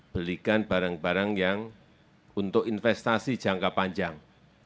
belikan barang barang yang untuk investasi jangka panjang